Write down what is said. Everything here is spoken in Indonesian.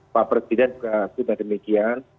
pak presiden juga sudah demikian